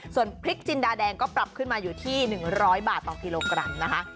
ส่วนพริกจินดาแดงก็ปรับขึ้นมาอยู่ที่๑๐๐บาทต่อกิโลกรัมนะคะ